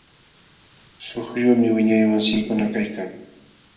Suquyuqmi wiñaymasiikuna kaykan.